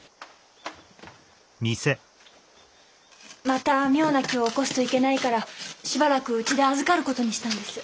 また妙な気を起こすといけないからしばらくうちで預かる事にしたんです。